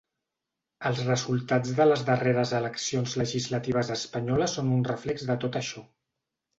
Els resultats de les darreres eleccions legislatives espanyoles són un reflex de tot això.